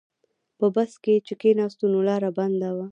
په بس کې چې کیناستو نو لاره بنده وه.